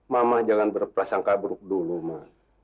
mama jangan berperasangka buruk dulu ma